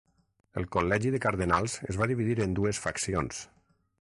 El Col·legi de Cardenals es va dividir en dues faccions.